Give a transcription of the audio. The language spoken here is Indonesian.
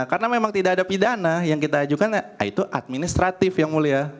karena memang tidak ada pidana yang kita ajukan ya itu administratif yang mulia